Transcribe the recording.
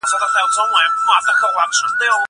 هغه څوک چي کتابونه ليکي پوهه زياتوي!